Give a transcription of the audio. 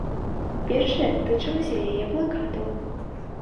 Першае тычылася яе плакатаў.